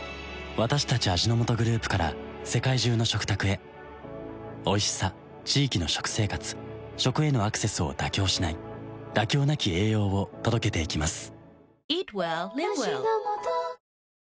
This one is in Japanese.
私たち味の素グループから世界中の食卓へおいしさ地域の食生活食へのアクセスを妥協しない「妥協なき栄養」を届けていきます